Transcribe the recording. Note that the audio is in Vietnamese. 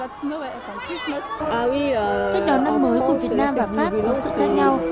cách đón năm mới của việt nam và pháp có sự khác nhau